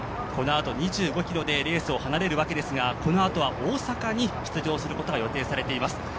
このあと２５ｋｍでレースを離れるわけですがこのあとは大阪に出場することが予定されています。